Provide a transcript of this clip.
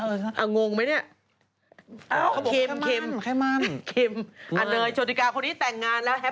แล้วแฟน